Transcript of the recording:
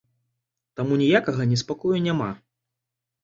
Таму ніякага неспакою няма.